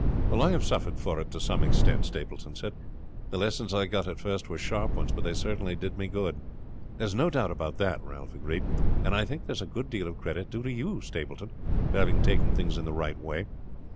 "Well, I have suffered for it to some extent," Stapleton said. "The lessons I got at first were sharp ones; but they certainly did me good." "There is no doubt about that," Ralph agreed; "and I think there is a good deal of credit due to you, Stapleton, for having taken things in the right way.